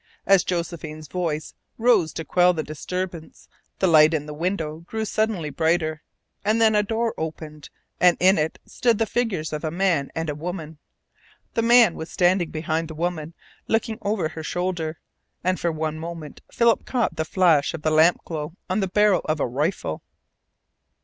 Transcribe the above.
As Josephine's voice rose to quell the disturbance the light in the window grew suddenly brighter, and then a door opened and in it stood the figures of a man and woman. The man was standing behind the woman, looking over her shoulder, and for one moment Philip caught the flash of the lamp glow on the barrel of a rifle.